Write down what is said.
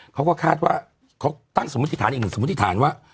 เค้าก็คาดว่าเค้าตั้งสมมติฐานเป็นหรือศัพท์ธิฐานว่า